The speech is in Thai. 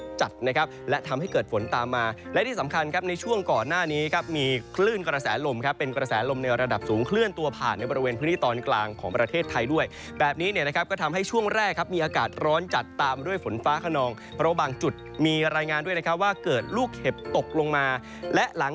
จัดนะครับและทำให้เกิดฝนตามมาและที่สำคัญครับในช่วงก่อนหน้านี้ครับมีคลื่นกระแสลมครับเป็นกระแสลมในระดับสูงเคลื่อนตัวผ่านในบริเวณพื้นที่ตอนกลางของประเทศไทยด้วยแบบนี้เนี่ยนะครับก็ทำให้ช่วงแรกครับมีอากาศร้อนจัดตามด้วยฝนฟ้าขนองเพราะบางจุดมีรายงานด้วยนะครับว่าเกิดลูกเห็บตกลงมาและหลัง